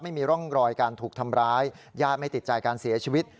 ไม่มีร่องรอยการถูกทำร้ายญาติไม่ติดใจการเสียชีวิต